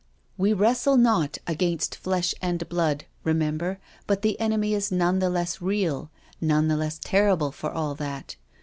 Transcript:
' We wrestle not against flesh and blood/ re member, but the enemy is none the less real, none the less terrible for all that.